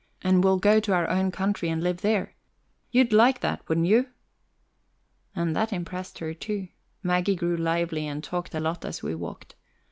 and we'll go to our own country and live there. You'd like that, wouldn't you?" And that impressed her too. Maggie grew lively and talked a lot as we walked.